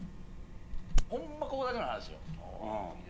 ほんま、ここだけの話よ。